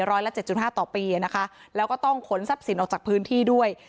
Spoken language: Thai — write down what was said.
ร้อยละเจ็ดจุดห้าต่อปีนะคะแล้วก็ต้องขนทรัพย์สินออกจากพื้นที่ด้วย